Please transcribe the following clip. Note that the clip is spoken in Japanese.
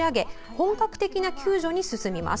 本格的な救助に進みます。